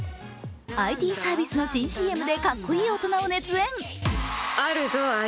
ＩＴサービスの新ＣＭでかっこいい大人を熱演。